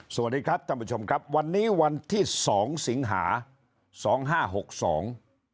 สวัสดีครับท่านผู้ชมครับวันนี้วันที่สองสิงหาสองห้าหกสอง